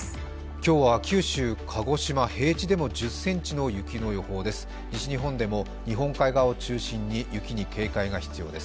今日は九州・鹿児島平地でも１０ｃｍの予想です。